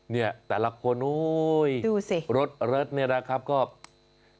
เนี่ยแต่ละคนว๊ออรถรถนี่แหละครับก็ดูสิ